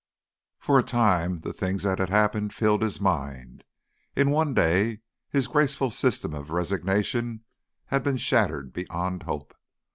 For a time the things that had happened filled his mind. In one day his graceful system of resignation had been shattered beyond hope.